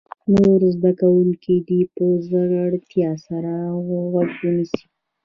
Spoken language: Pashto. نور زده کوونکي دې په ځیرتیا سره غوږ ونیسي.